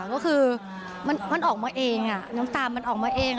ก็คือมันออกมาเองน้ำตาลมันออกมาเอง